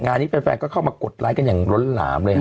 งานนี้แฟนก็เข้ามากดไลค์กันอย่างล้นหลามเลยฮะ